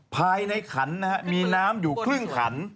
ภายในขันนะฮะมีน้ำอยู่ครึ่งขัน